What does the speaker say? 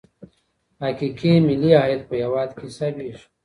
حقیقي ملي عاید په هیواد کي حسابیږي.